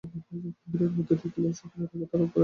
ভিড়ের মধ্যে দেখিলে সকলের আগে তাঁর উপরে চোখ পড়িবার মতো চেহারা।